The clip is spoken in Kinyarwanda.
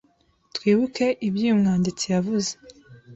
twibuke ibyo uyu mwanditsi yavuze